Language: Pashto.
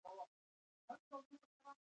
او د تيمم لپاره يې استنجا شروع کړه.